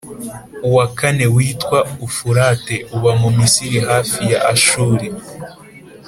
Uwa kane witwa Ufurate uba mumisiri hafi ya ashuri